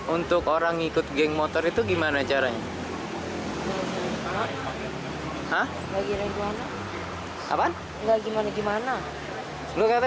untuk orang ikut geng motor itu gimana caranya